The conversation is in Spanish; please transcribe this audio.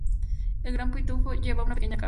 El Gran Pitufo lleva una pequeña caja.